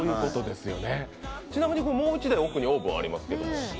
ちなみにもう一台奥にオーブンありますけど？